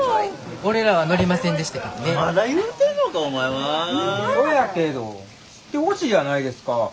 そやけど知ってほしいやないですか。